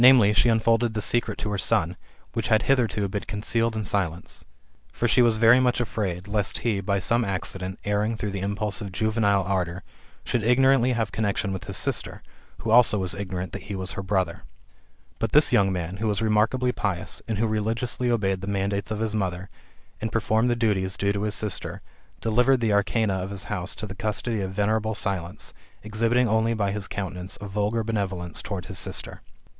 she unfolded the secret to her son, which had hitherto been concealed in silence; for she was very much afraid, lest he, erring through the im pulse of juvenile ardour, by some accident, should ignorantly have connexion with his sister, who was also ignorant that he was her brother. But this young man, who was re markably pious, and who religiously obeyed the mandates of his mother, and performed the duties due to his sister, delivered the arcana of his house to the custody of venerable Silence, exhibiting only by his countenance a vulgar bene volence towards his sister.